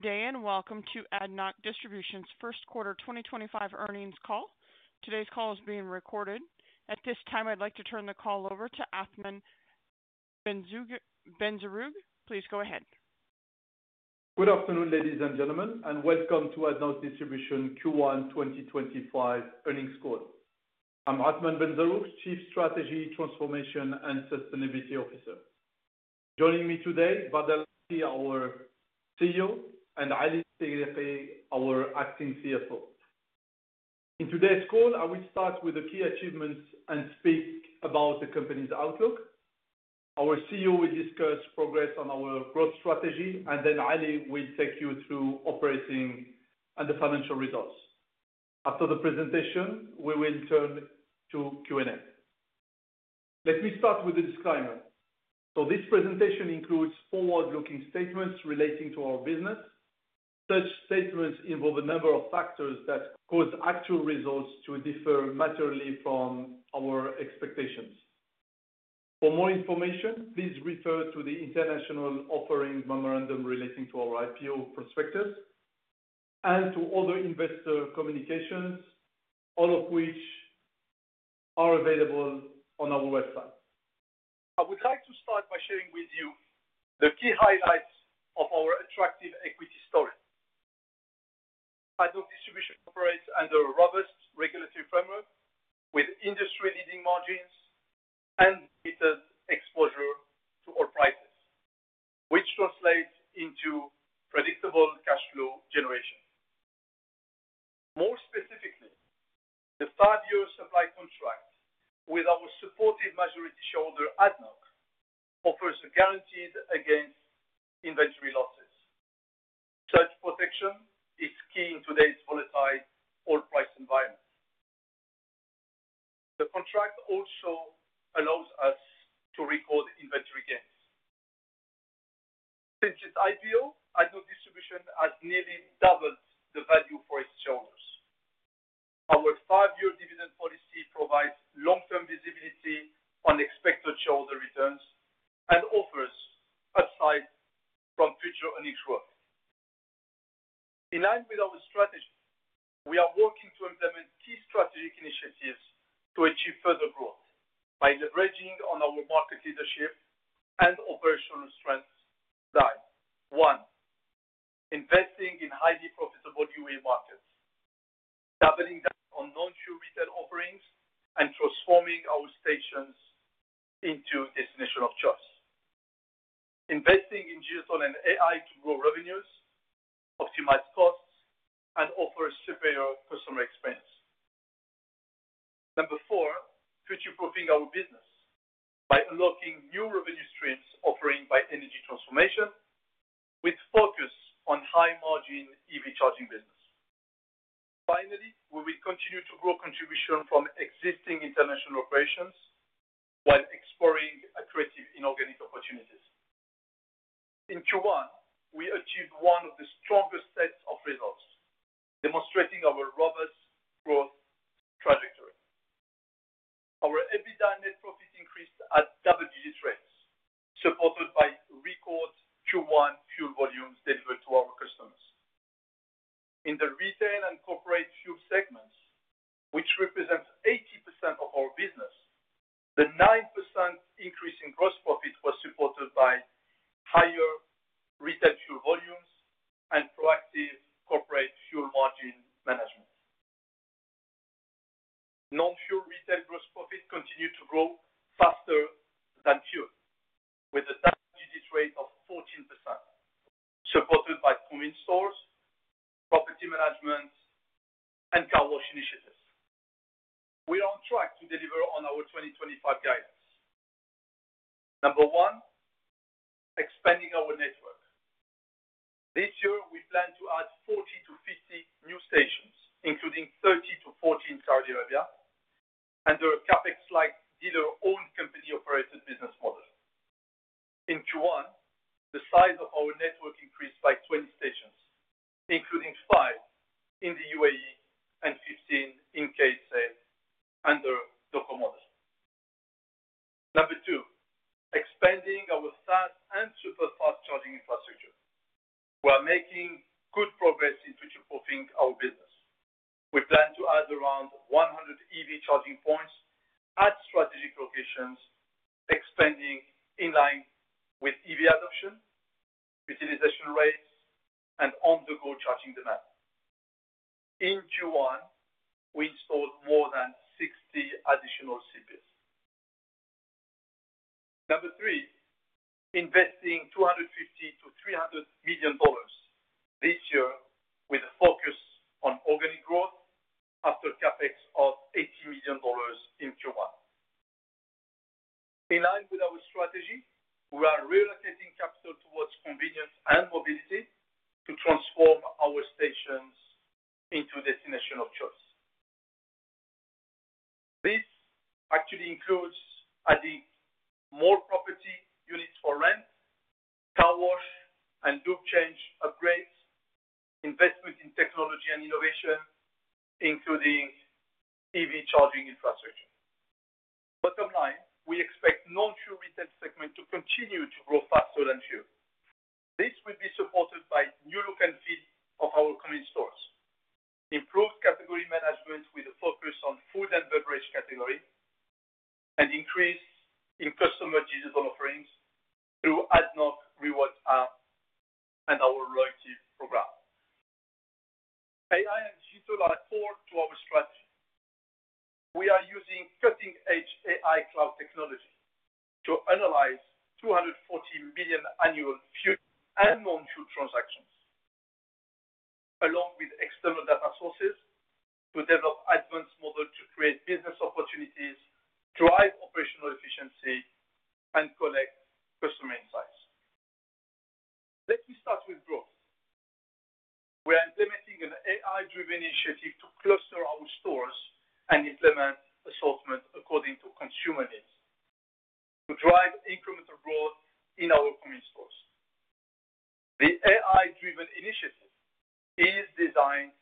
Good day and welcome to ADNOC Distribution's first quarter 2025 earnings call. Today's call is being recorded. At this time, I'd like to turn the call over to Athmane Benzerroug. Please go ahead. Good afternoon ladies and gentlemen and welcome to ADNOC Distribution Q1 2025 earnings call. I'm Athmane Benzerroug, Chief Strategy, Transformation and Sustainability Officer. Joining me today, Bader Saeed Al Lamki, our CEO, and Ali Siddiqi, our Acting CFO. In today's call, I will start with the key achievements and speak about the company's outlook. Our CEO will discuss progress on our growth strategy and then Ali will take you through operating and the financial results. After the presentation we will turn to Q&A. Let me start with the disclaimer so this presentation includes forward looking statements relating to our business. Such statements involve a number of factors that cause actual results to differ materially from our expectations. For more information, please refer to the International Offering Memorandum relating to our IPO prospectus and to other investor communications, all of which are available on our website. I would like to start by sharing with you the key highlights of our attractive equity story. ADNOC Distribution operates under a robust regulatory framework with industry-leading margins and exposure to oil prices, which translates into predictable cash flow generation. More specifically, the five-year supply contract with our supportive majority shareholder ADNOC offers a guarantee against inventory losses. Such protection is key in today's volatile oil price environment. The contract also allows us to record inventory gains. Since its IPO, ADNOC Distribution has nearly doubled the value for its shareholders. Our five-year dividend policy provides long-term visibility on expected shareholder returns and offers upside from future earnings growth. In line with our strategy, we are working to implement key strategic initiatives to achieve further growth by leveraging on our market leadership and operational strengths. 1. Investing in highly profitable UAE markets, doubling down on non-fuel retail offerings and transforming our stations into destinations of choice. Investing in geotagging and AI to grow revenues, optimize costs and offer superior customer experiences. Number four, future-proofing our business by unlocking new revenue streams, offering by energy transformation with focus on high-margin EV charging business. Finally, we will continue to grow contribution from existing international operations while exploring accretive inorganic opportunities. In Q1, we achieved one of the strongest sets of results, demonstrating our robust growth trajectory. Our EBITDA and net profit increased at double-digit rates, supported by record Q1 fuel volumes delivered to our customers in the retail and corporate fuel segments, which represents 80% of our business. The 9% increase in gross profit was supported by higher retail fuel volumes and proactive corporate fuel margin management. Non-fuel retail gross profit continued to grow faster than fuel with a double-digit rate of 14% supported by premium stores, property management, and car wash initiatives. We are on track to deliver on our 2025 guidance. Number one, expanding our network. This year we plan to add 40-50 new stations including 30-40 in Saudi Arabia under Capex-light dealer-owned company-operated business model. In Q1 the size of our network increased by 20 stations including five in the UAE and 15 in KSA under DOCO models. Number two, expanding our fast and super-fast charging infrastructure. We are making good progress in future-proofing our business. We plan to add around 100 EV charging points at strategic locations, expanding in line with EV adoption, utilization rates, and on-the-go charging demand. In Q1, we installed more than 60 additional CPs. Number three, investing $250 million-$300 million this year with a focus on organic growth after Capex of $80 million in Q1. In line with our strategy, we are reallocating capital towards convenience and mobility to transform our stations into a destination of choice. This actually includes adding more property units for rent, car wash and lube change upgrades, investment in technology and innovation including EV charging infrastructure. Bottom line, we expect non-fuel retail segment to continue to grow faster than fuel. This will be supported by new look and feel of our convenience stores, improved category management with a focus on food and beverage category, and increase in customer digital offerings through ADNOC Rewards app and our loyalty program. AI and digital are core to our strategy. We are using cutting-edge AI cloud technology to analyze 240 million annual fuel and non-fuel transactions along with external data sources to develop advanced models to create business opportunities, drive operational efficiency, and collect customer insights. Let me start with broad, we are implementing an AI-driven initiative to cluster our stores and implement assortment according to consumer needs to drive incremental growth in our convenience stores. The AI-driven initiative is designed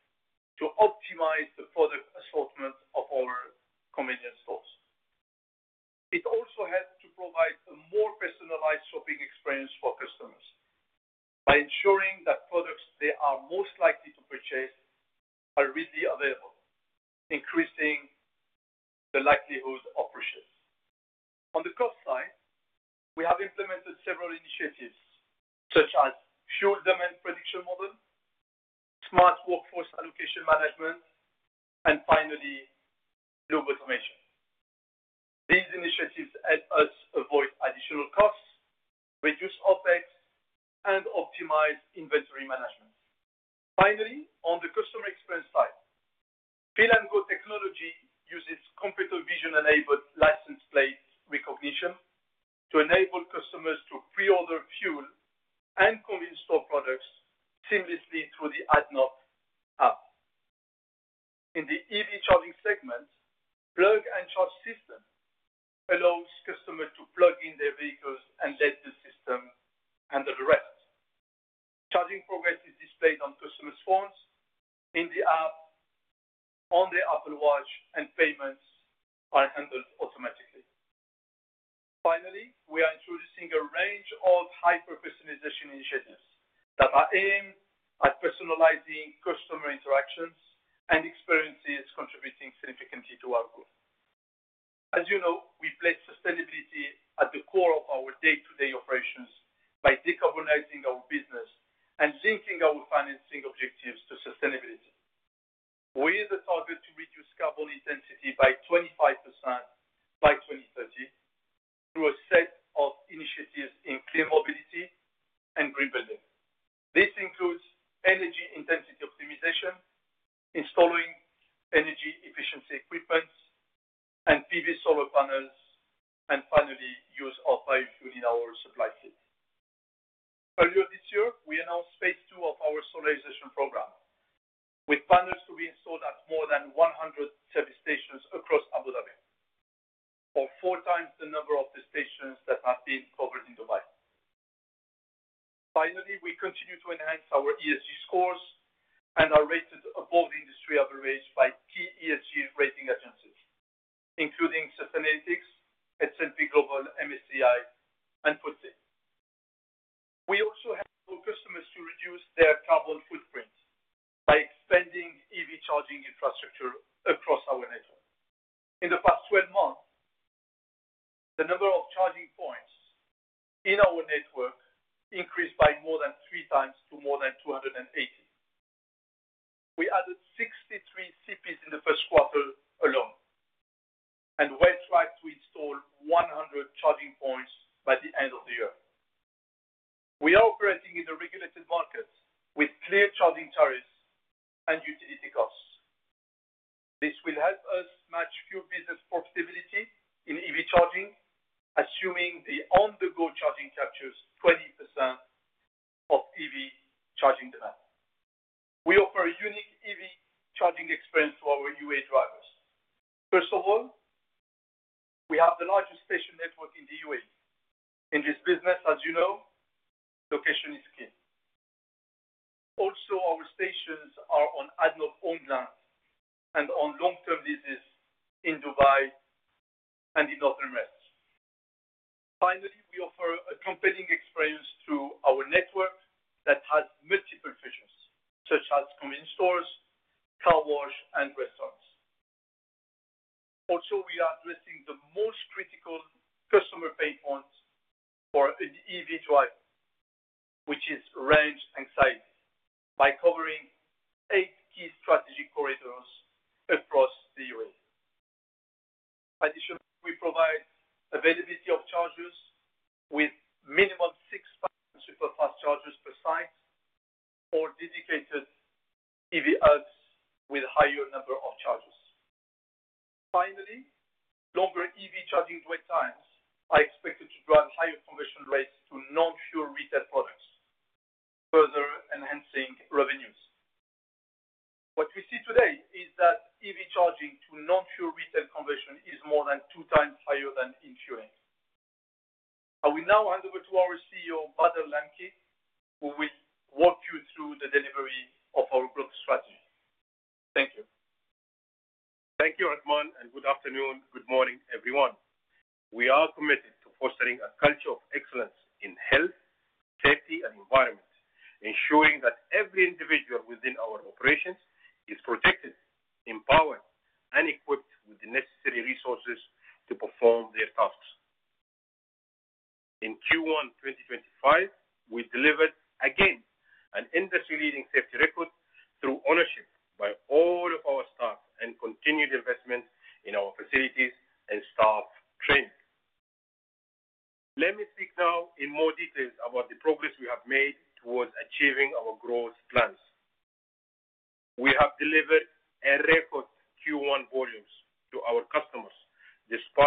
energy intensity optimization, installing energy efficiency equipment and PV solar panels, and finally use our biofuel in our supply fleet. Earlier this year, we announced phase two of our solarization program with banners to be installed at more than 100 service stations across Abu Dhabi, or four times the number of the stations that have been covered in Dubai. Finally, we continue to enhance our ESG scores and are rated above industry average by key ESG rating agencies including Sustainalytics, S&P Global, MSCI, and FTSE. We also help customers to reduce their carbon footprint by expanding EV charging infrastructure across our network. In the past 12 months the number of charging points in our network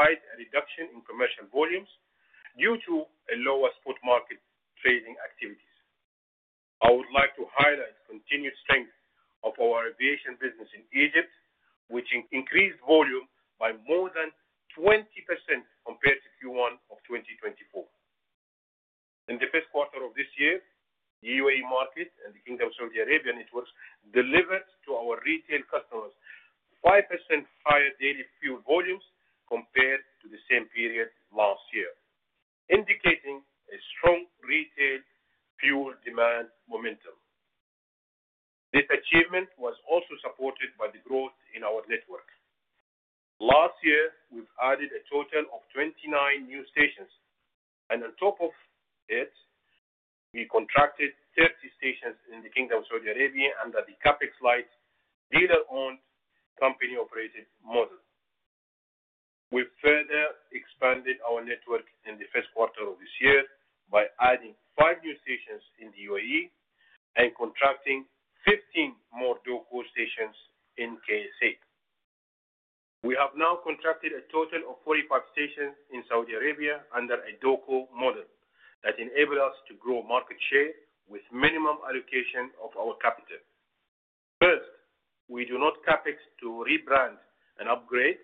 a reduction in commercial volumes due to a lower spot market trading activities. I would like to highlight continued strength of our aviation business in Egypt which increased volume by more than 20% compared to Q1 of 2024. In the first quarter of this year, the UAE market and the Kingdom of Saudi Arabia networks delivered to our retail customers 5% higher daily fuel volumes compared to the same period last year, indicating a strong retail fuel demand momentum. This achievement was also supported by the growth in our network. Last year we’ve added a total of 29 new stations and on top of it we contracted 30 stations in the Kingdom of Saudi Arabia under the Capex lite dealer owned company operated model. We further expanded our network in the first quarter of this year by adding five new stations in the UAE and contracting 15 more DOCO stations in KSA. We have now contracted a total of 45 stations in Saudi Arabia under a DOCO model that enable us to grow market share with minimum allocation of our capital. First, we do not Capex to rebrand and upgrade.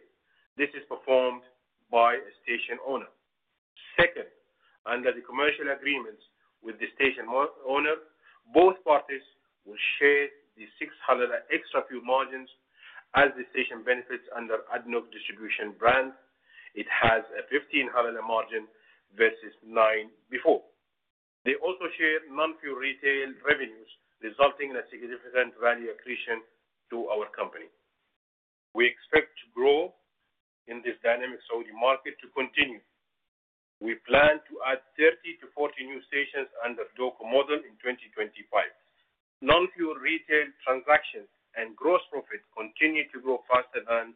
This is performed by a station owner. Second, under the commercial agreements with the station owner, both parties will share the 6 halala extra fuel margins as the station benefits. Under ADNOC Distribution brand it has a 15 fils margin versus 9 before. They also share non-fuel retail revenues resulting in a significant value accretion to our company. We expect to grow in this dynamic Saudi market to continue, we plan to add 30-40 new stations under DOCO model in 2025. Non-fuel retail transactions and gross profit continue to grow faster than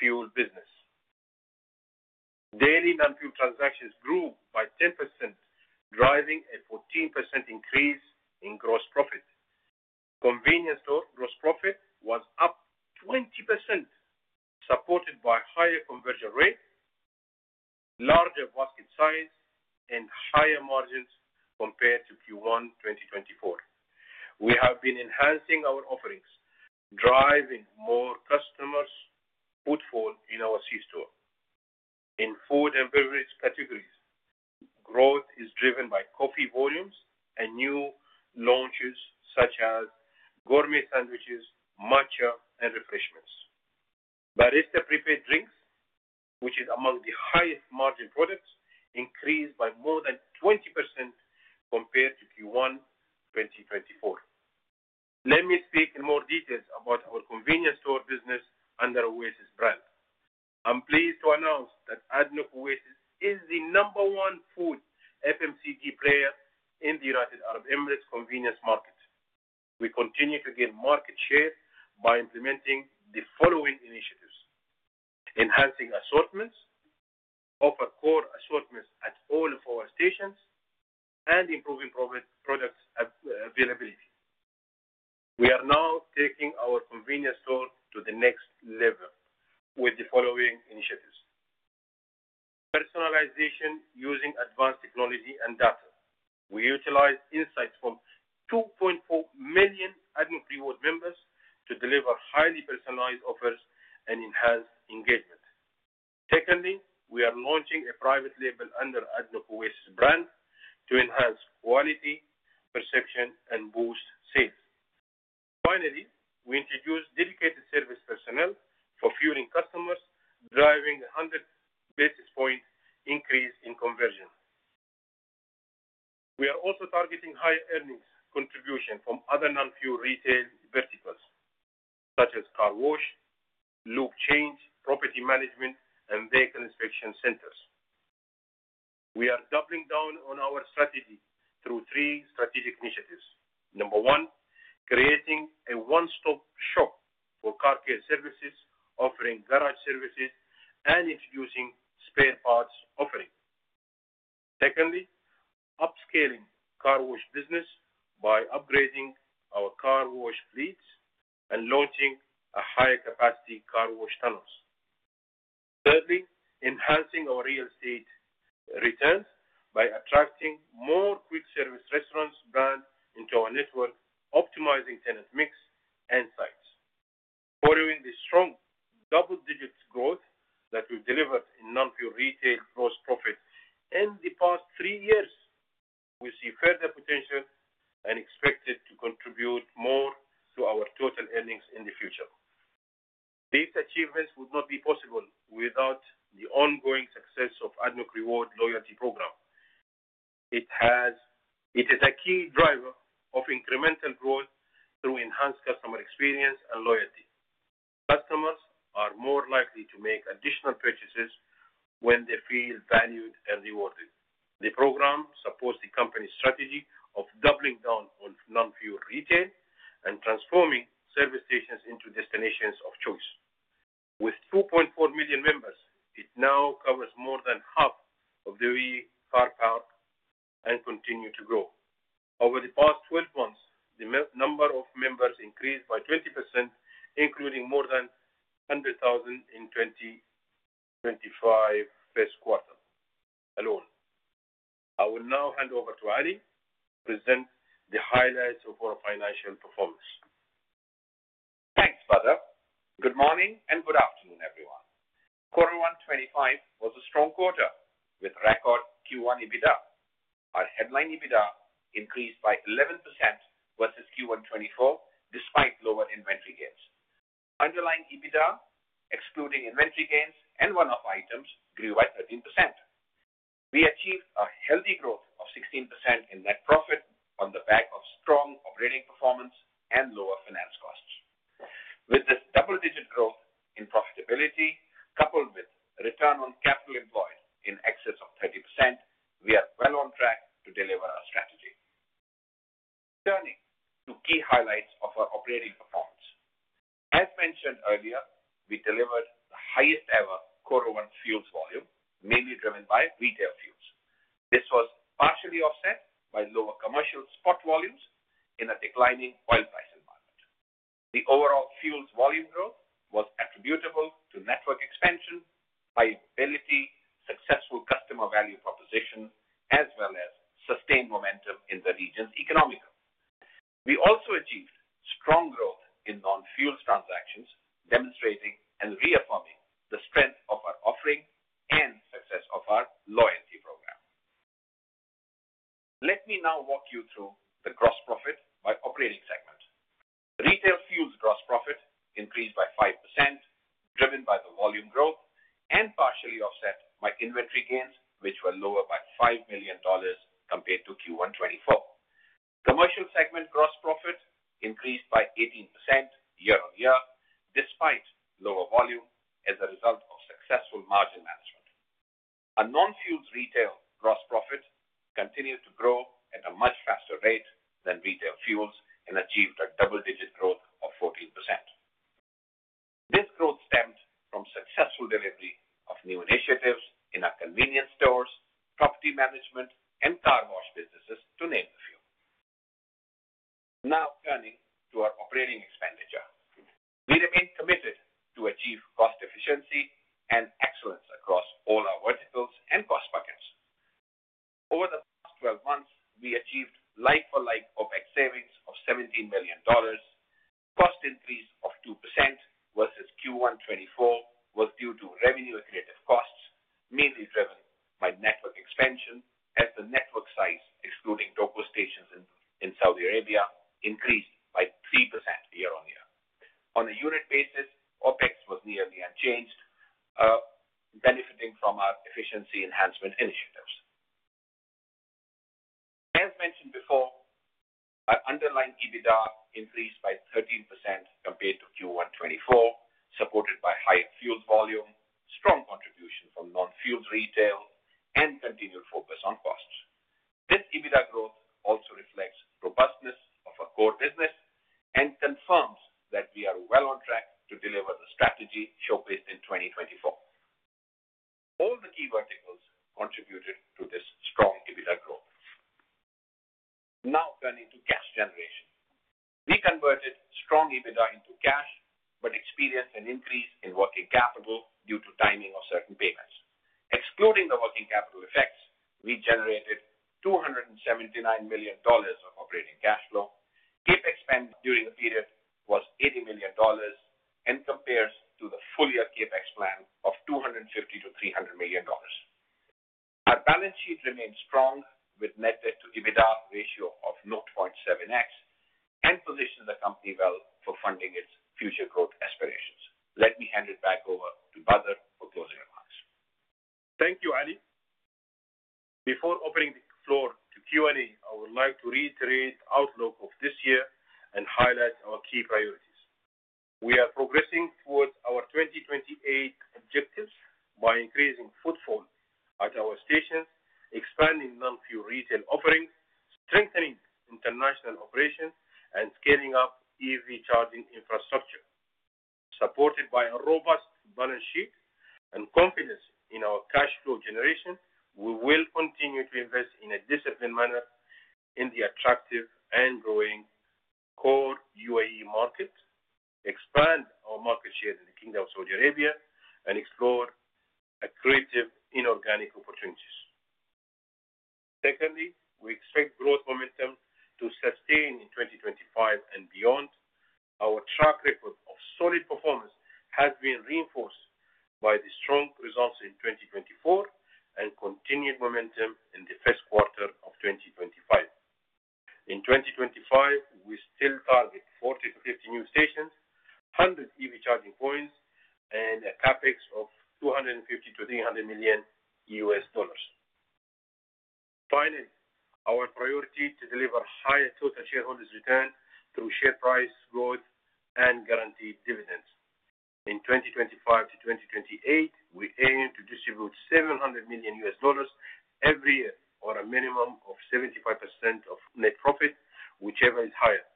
fuel business. Daily non-fuel transactions grew by 10% driving a 14% increase in gross profit. Convenience store gross profit was up 20% supported by higher conversion rate, larger basket size, and higher margins compared to Q1 2024. We have been enhancing our offerings, driving more customer footfall in our C store. In food and beverage categories, growth is driven by coffee volumes and new launches such as gourmet sandwiches, matcha and refreshments. Barista-prepared drinks, which is among the highest margin products, increased by more than 20% compared to Q1 2024. Let me speak in more detail about our convenience store business under the Oasis brand. I'm pleased to announce that ADNOC Oasis is the number one food FMCG player in the United Arab Emirates convenience market. We continue to gain market share by implementing the following: enhancing assortments, offering core assortments at all of our stations, and improving product availability. We are now taking our convenience store to the next level with the following personalization. Using advanced technology and data, we utilize insights from 2.4 million ADNOC Rewards members to deliver highly personalized offers and enhance engagement. Secondly, we are launching a private label under the ADNOC Oasis brand to enhance quality perception and boost sales. Finally, we introduced dedicated service personnel for fueling customers, driving a 100 basis point increase in conversion. We are also targeting high earnings contribution from other non-fuel retail verticals such as car wash, lube change, property management, and vehicle inspection centers. We are doubling down on our strategy through three strategic initiatives. Number one, creating a one-stop shop for car care services, offering garage services and introducing spare parts offering. Secondly, upscaling car wash business by upgrading our car wash fleets and launching high-capacity car wash tunnels. Thirdly, enhancing our real estate returns by attracting more quick service restaurant brands into our network, optimizing tenant mix and sites. Following the strong double-digit growth that we delivered in non-fuel retail gross. Profit in the past three years, we. See further potential and expect it to contribute more to our total earnings in the future. These achievements would not be possible without the ongoing success of ADNOC Rewards loyalty program. It is a key driver of incremental growth through enhanced customer experience and loyalty. Customers are more likely to make additional. Purchases when they feel valued and rewarded. The program supports the company's strategy of doubling down on non-fuel retail and transforming retail fuels. This was partially offset by lower commercial spot volumes in a declining oil price environment. The overall fuels volume growth was attributable to network expansion, viability, successful customer value proposition as well as sustained momentum in the region's economic. We also achieved strong growth in non-fuels transactions, demonstrating and reaffirming the strength of our offering and success of our loyalty program. Let me now walk you through the gross profit by operating segment. Retail fuels gross profit increased by 5% driven by the volume growth and partially offset by inventory gains, which were lower by $5 million compared to Q1 2024. Commercial segment gross profit increased by 18% year on year despite lower volume as a result of successful margin management. Non-fuels retail gross profit continued to grow at a much faster rate than retail fuels and achieved a double-digit growth of 14%. This growth stemmed from successful delivery of new initiatives in our convenience stores, property management and car wash businesses to name a few. Now turning to our operating expenditure, we remain committed to achieve cost efficiency and We are progressing towards our 2028 objectives by increasing footfall at our stations, expanding non fuel retail offerings, strengthening international operations and scaling up EV charging infrastructure supported by a robust balance sheet and confidence in our cash flow generation. We will continue to invest in a disciplined manner in the attractive and growing core UAE market, expand our market share in the Kingdom of Saudi Arabia and explore accretive inorganic opportunities. Secondly, we expect growth momentum to sustain in 2025 and beyond. Our track record of solid performance has been reinforced by the strong results in 2024 and continued momentum in the first quarter of 2025. In 2025 we still target 40-50 new stations, 100 EV charging points and a CapEx of $250-300 million. Finally, our priority to deliver higher total shareholders return through share price growth and guaranteed dividends in 2025-2028. We aim to distribute $700 million every year or a minimum of 75% of net profit, whichever is higher,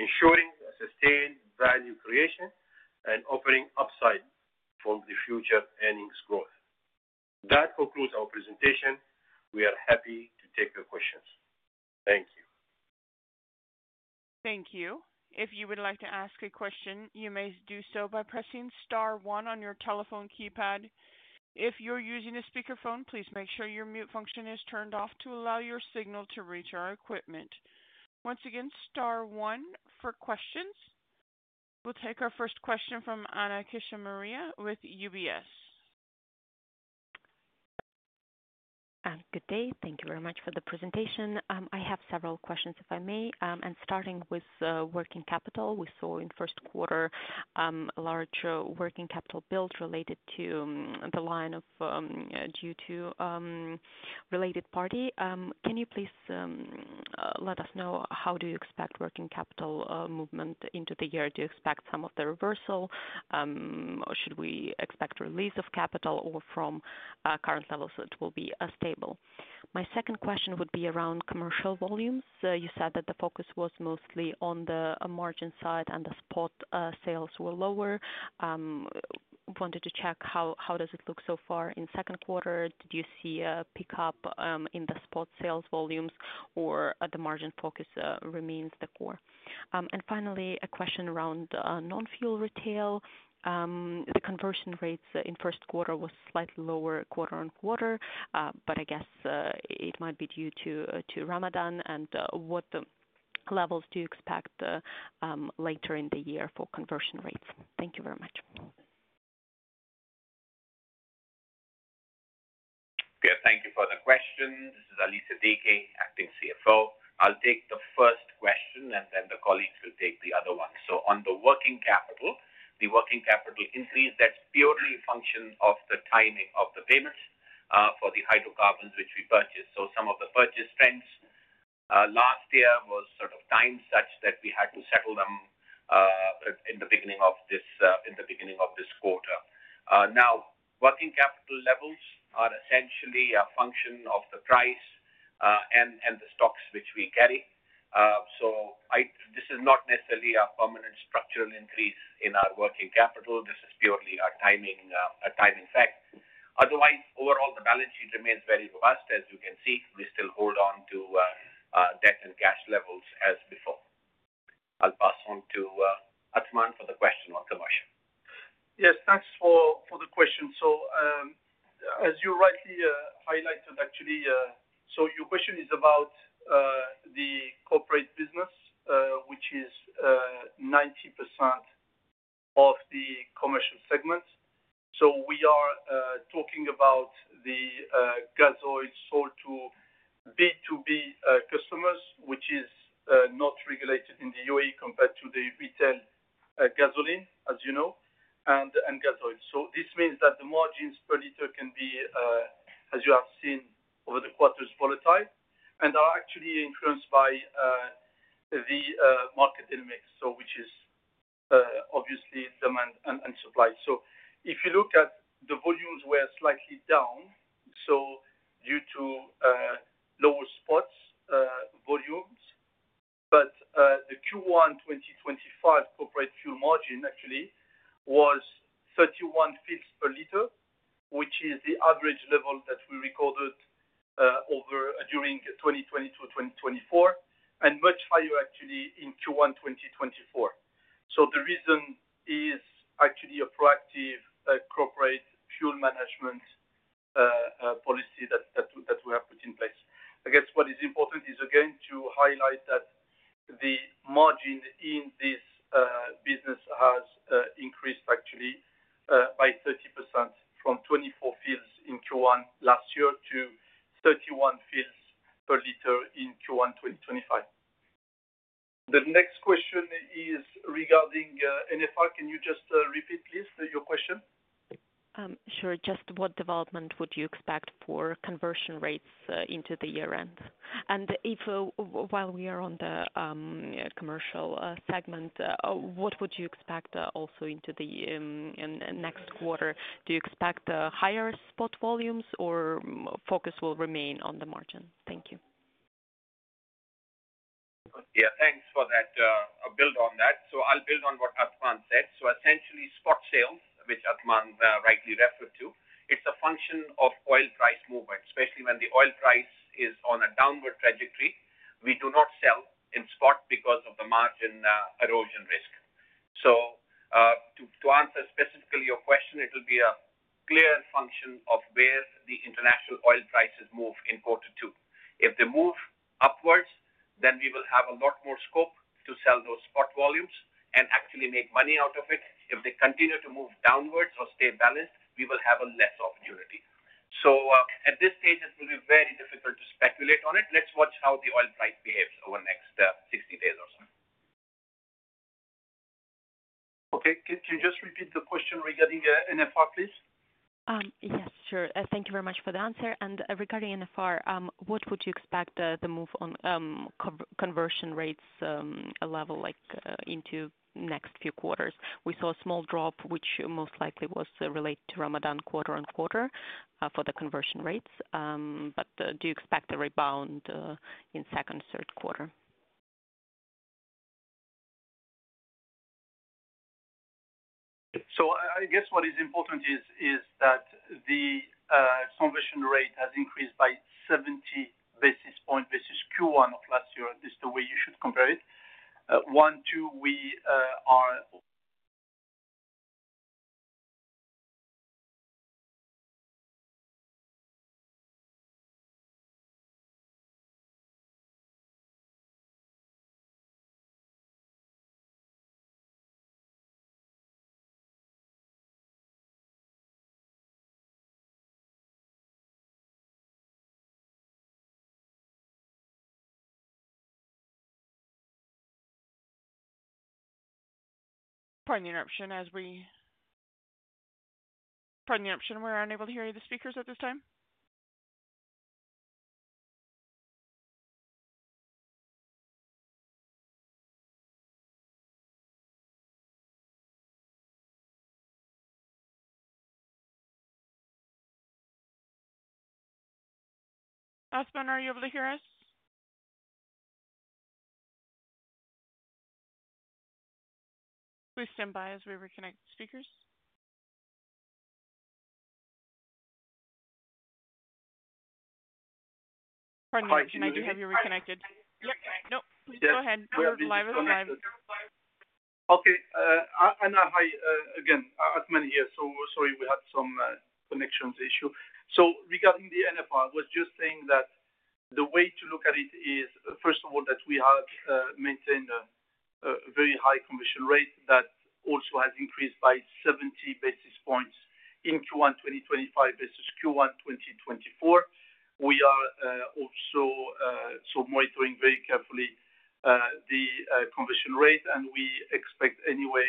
ensuring sustained value creation and offering upside from the future earnings growth. That concludes our presentation. We are happy to take your questions. Thank you. Thank you. If you would like to ask a question, you may do so by pressing star one on your telephone keypad. If you're using a speakerphone, please make sure your mute function is turned off to allow your signal to reach our equipment. Once again, star one for questions. We'll take our first question from Ana Koshimara with UBS. Good day. Thank you very much for the presentation. I have several questions if I may and starting with working capital we saw in first quarter large working capital build related to the line of due to related party. Can you please let us know how do you expect working capital movement into the year? Do you expect some of the reversal? Should we expect release of capital or from current levels that will be stable? My second question would be around commercial volumes. You said that the focus was mostly on the margin side and the spot sales were lower. Wanted to check how does it look so far in second quarter? Did you see a pickup in the spot sales volumes or the margin focus remains the core. Finally a question around non-fuel retail. The conversion rates in first quarter was slightly lower quarter on quarter, but I guess it might be due to Ramadan. What levels do you expect later in the year for conversion rates? Thank you very much. Thank you for the question. This is Ali Siddiqi, Acting CFO. I'll take the first question and then the colleagues will take the other one. On the working capital, the working capital increase, that's purely function of the timing of the payments for the hydrocarbons which we purchased. Some of the purchase trends last year was sort of time such that we had to settle them in the. Beginning of this quarter. Now working capital levels are essentially a function of the price and the stocks which we carry. This is not necessarily a permanent structural increase in our working capital. This is purely a timing fact. Otherwise, overall, the balance sheet remains very robust. As you can see, we still hold on to debt and cash levels as before. I'll pass on to Athmane for the question on commercial. Yes, thanks for the question. As you rightly highlighted, actually, your question is about the corporate business, which is 90% of the commercial segments. We are talking about the gas oil sold to B2B customers, which is not regulated in the UAE compared to the retail gasoline, as you know, and gas oil. This means that the margins per liter can be, as you have seen over the quarters, volatile and are actually influenced by the market dynamics, which is obviously demand and supply. If you look at the volumes, they were slightly down due to lower spot volumes. The Q1 2025 corporate fuel margin actually was 31 fils per liter, which is the average level that we recorded during 2022-2024 and much higher actually in Q1 2024. The reason is actually a proactive corporate fuel management policy that we have put in place. I guess what is important is again to highlight that the margin in this business has increased actually by 30% from 24 fils in Q1 last year to 31 fils per liter in Q1 2025. The next question is regarding NFR. Can you just repeat please, your question? Sure. Just what development would you expect for conversion rates into the year end? If, while we are on the commercial segment, what would you expect also into the next quarter, do you expect higher spot volumes or focus will remain on the margin? Thank you. Yeah, thanks for that. I'll build on what Athmane said. Essentially, spot sales, which Athmane rightly referred to, it's a function of oil price movement, especially when the oil price is on a downward trajectory. We do not sell in spot because of the margin erosion risk. To answer your specific question, it will be a clear function of where the international oil prices move in quarter two. If they move upwards, then. We will have a lot more scope. To sell those spot volumes and actually make money out of it. If they continue to move downwards or stay balanced, we will have less opportunity. At this stage it will be very difficult to speculate on it. Let's watch how the oil price behaves over the next 60 days or so. Okay. Can you just repeat the que`stion regarding NFR, please? Yes, sure. Thank you very much for the answer. Regarding nfr, what would you expect the move on conversion rates level like into next few quarters? We saw a small drop which most likely was related to Ramadan quarter on quarter for the conversion rates. Do you expect a rebound in second, third quarter? I guess what is important is that the conversion rate has increased by 70 basis points versus Q1 of last year. At least the way you should compare it. One, two. We are. Pardon interruption as we pardon the option. We're unable to hear any of the speakers at this time. Athmane, are you able to hear us? Please stand by as we reconnect speakers. Pardon me, can I do have you reconnected? No, please go ahead. Okay, again, Athmane here. Sorry, we had some connection issue. Regarding the NFR, I was just saying that the way to look at it is, first of all, that we have maintained a very high conversion rate that also has increased by 70 basis points in Q1 2025 versus Q1 2024. We are also monitoring very carefully the conversion rate and we expect, anyway,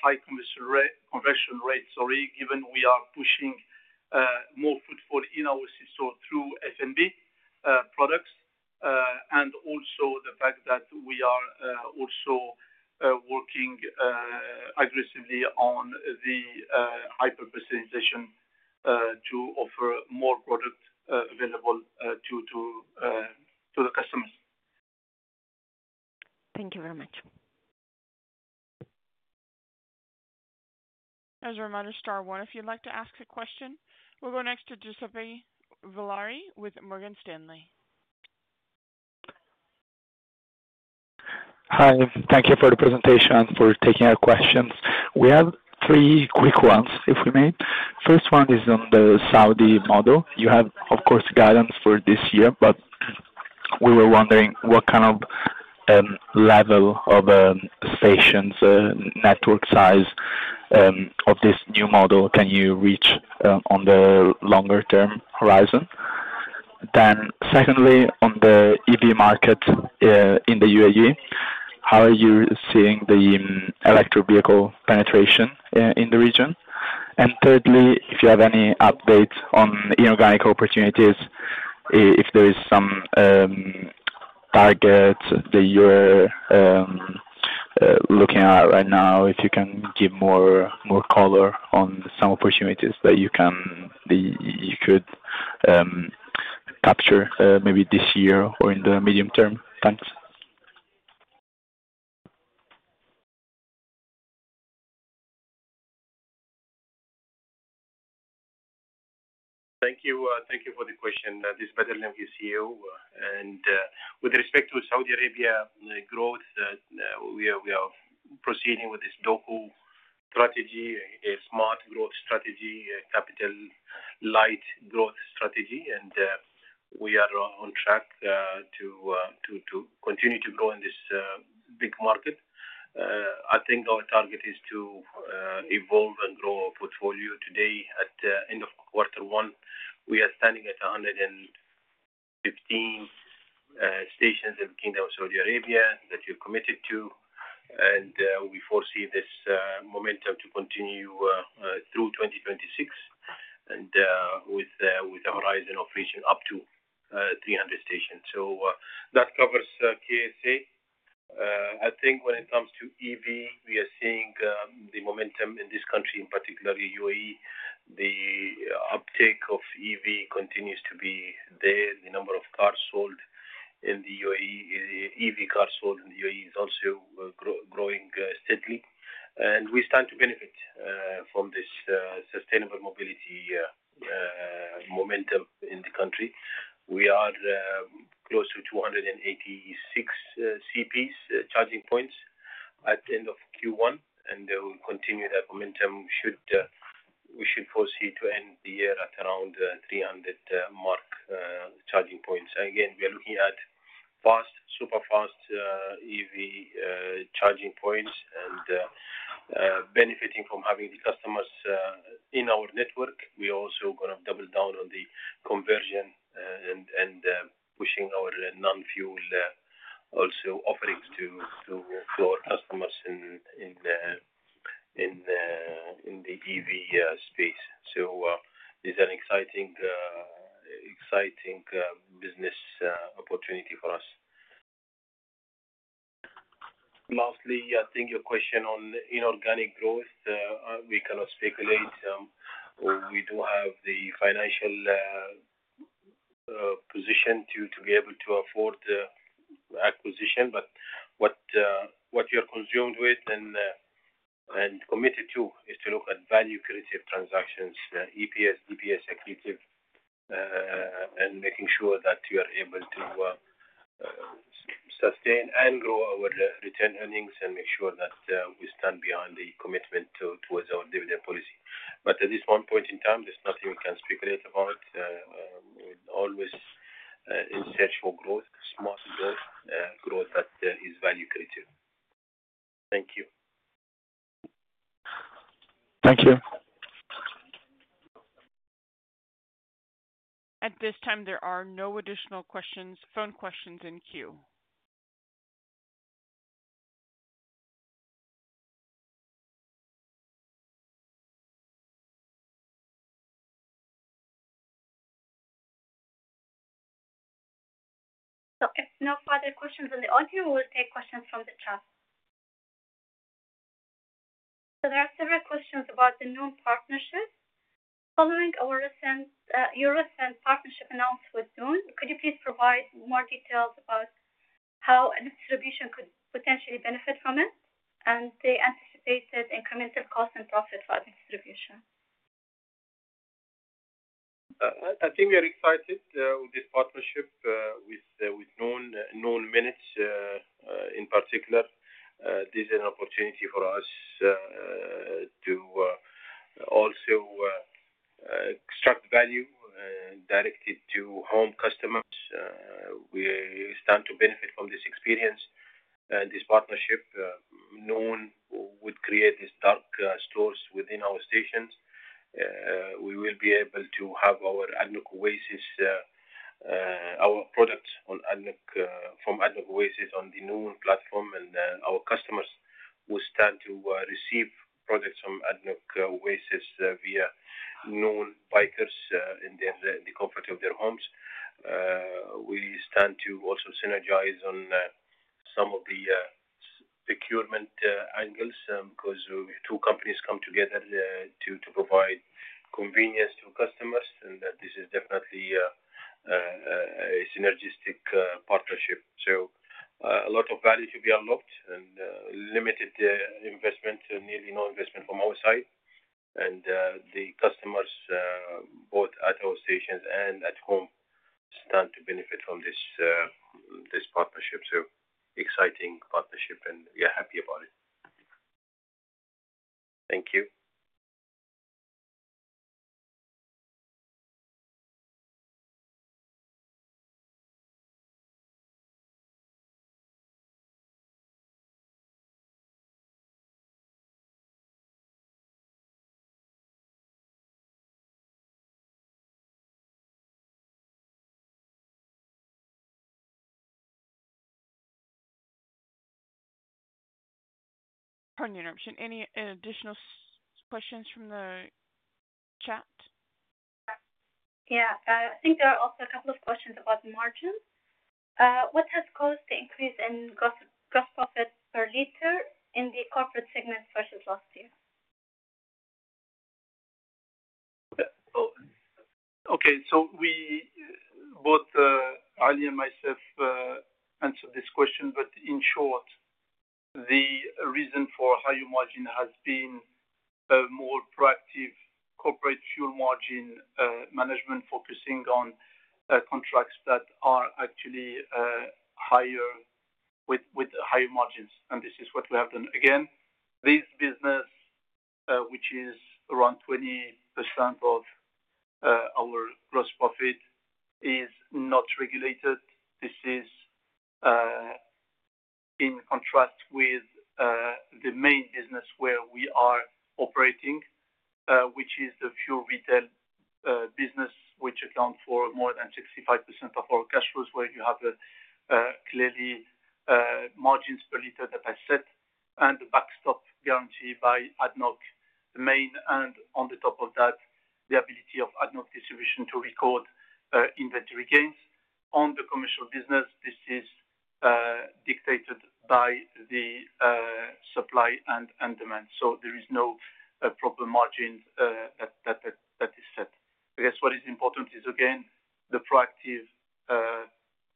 high conversion rate. Sorry. Given we are pushing more footfall in our C store through FNB products and also the fact that we are also working aggressively on the hyper personalization to offer more product available to the customers. Thank you very much. As a reminder, star one if you'd like to ask a question. We'll go next to Giuseppe Villari with Morgan Stanley. Hi, thank you for the presentation and for taking our questions. We have three quick ones if we may. First, one is on the Saudi model, you have of course guidance for this year. We were wondering what kind of level of stations network size of this new model can you reach on the longer term horizon? Secondly, on the EV market in the UAE, how are you seeing the electric vehicle penetration in the region? Thirdly, if you have any updates on inorganic opportunities, if there is some target that you're looking at right now, if you can give more color on some opportunities that you could capture maybe this year or in the medium term. Thanks. Thank you. Thank you for the question. This is Bader Al Lamki, CEO, and with respect to Saudi Arabia growth we are proceeding with this DOCO strategy, a smart growth strategy, capital light growth strategy, and we are on track to continue to grow in this big market. I think our target is to evolve and grow our portfolio. Today at end of quarter one we are standing at 115 stations in Kingdom of Saudi Arabia that we're committed to, and we foresee this momentum to continue through 2026 and with the horizon of reaching up to 300 stations. That covers KSA. I think when it comes to EV we are seeing the momentum in this country, in particular UAE. The uptake of EV continues to be there. The number of cars sold in the UAE, EV cars sold in the UAE, is also growing steadily and we stand to benefit from this sustainable mobility momentum in the country. We are close to 286 EV charging points at the end of Q1 and we'll continue that momentum. We should foresee to end the year at around the 300 mark, charging points. Again, we are looking at fast, super fast EV charging points and benefiting from having the customers in our network. We are also going to double down on the conversion and pushing our non-fuel also offerings to our customers in the EV space. It is an exciting business opportunity for us. Lastly, I think your question on inorganic growth, we cannot speculate. We do have the financial position to be able to afford the acquisition, but what you're consumed with and committed to is to look at value creative transactions, EPS accretive and making sure that you are able to sustain and grow our return earnings and make sure that we stand beyond the commitment towards our dividend policy. At this one point in time. There's nothing we can speculate about. Always in search for growth, smart growth that is value creative. Thank you. Thank you. At this time there are no additional phone questions in queue. If no further questions in the audio, we will take questions from the chat. There are several questions about the Noon partnership. Following your recent partnership announced with Noon, could you please provide more details about how ADNOC Distribution could potentially benefit from it and the anticipated incremental cost and profit for ADNOC Distribution. I think we are excited with this. Partnership with Noon Minutes in particular. This is an opportunity for us to also extract value directed to home customers. We stand to benefit from this experience. This partnership Noon would create these dark. Stores within our stations. We will be able to have our ADNOC Oasis, our products from ADNOC Oasis on the Noon platform and our customers will stand to receive products from ADNOC Oasis via Noon bikers in the comfort of their homes. We stand to also synergize on some of the procurement angles because two companies come together to provide convenience to customers and this is definitely a synergistic partnership. A lot of value to be unlocked and limited investment. Nearly no investment from our side and the customers both at our stations and at home stand to benefit from this partnership. Exciting partnership and we are happy about it. Thank you. Pardon your interruption. Any additional questions from the chat? Yeah, I think there are also a couple of questions about margin. What has caused the increase in gross profit per liter in the corporate segment versus last year? Okay, Ali and myself answered this question but in short, the reason for higher margin has been more proactive corporate fuel margin management focusing on contracts that are actually higher with higher margins. This is what we have done. This business, which is around 20% of our gross profit, is not regulated. This is in contrast with the main business where we are operating, which is the fuel retail business, which accounts for more than 65% of our cash flows, where you have clearly margins per liter that are set and the backstop guaranteed by ADNOC. On top of that, the ability of ADNOC Distribution to record inventory gains on the commercial business is dictated by the supply and demand, so there is no problem margin that is set. I guess what is important is again the proactive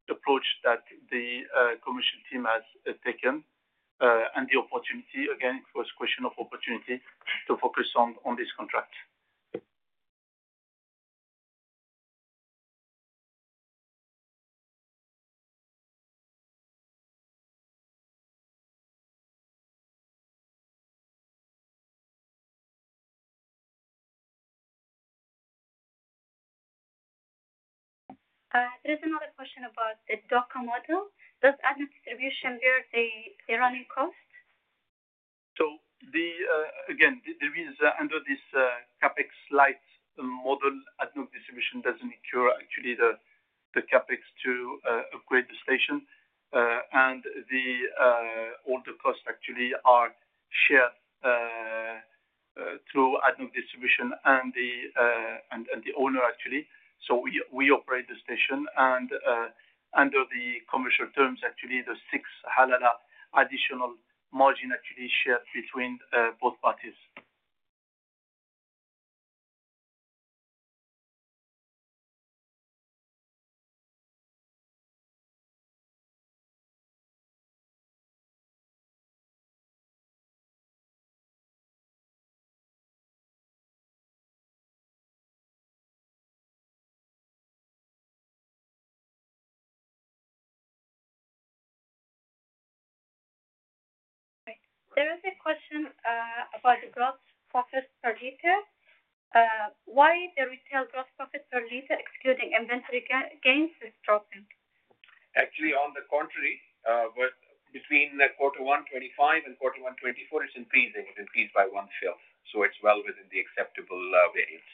approach that the commercial team has taken, and the opportunity again was a question of opportunity to focus on this contract. There is another question about the DOCO model. Does ADNOC Distribution bear the running cost? There is under this Capex Lite model ADNOC Distribution does not occur actually the Capex to upgrade the station and all the costs actually are shared through ADNOC Distribution and the owner actually. We operate the station and under the commercial terms actually the six halala additional margin actually shared between both parties. There is a question about the gross profit per liter. Why the retail gross profit per liter excluding inventory gains is dropping actually on. The contrary, between quarter 125 and quarter 124, it's increasing. It increased by 1/5. It is well within the acceptable variance.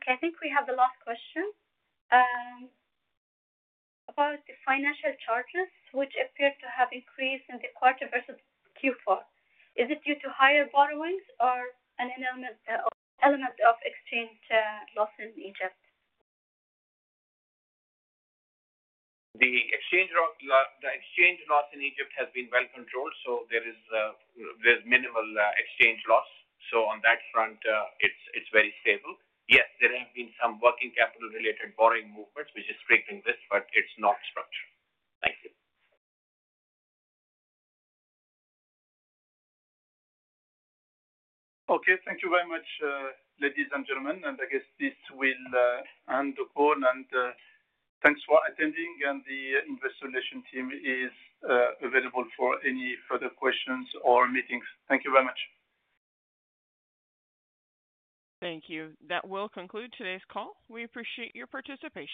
Okay, I think we have the last. Question. About the financial charges which appear to have increased in the quarter versus Q4. Is it due to higher borrowings or an element of exchange loss in Egypt? The exchange loss in Egypt has been well controlled, so there is. There's minimal exchange loss. On that front, it's very stable. Yes, there have been some working capital related borrowing movements, which is strictly this, but it's not structured. Thank you. Okay, thank you very much, ladies and gentlemen. I guess this will end the call and thanks for attending. The investigation team is available for any further questions or meetings. Thank you very much. Thank you. That will conclude today's call. We appreciate your participation.